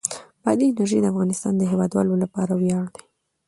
بادي انرژي د افغانستان د هیوادوالو لپاره ویاړ دی.